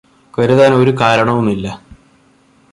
കരുതാന് ഒരു കാരണവുമില്ല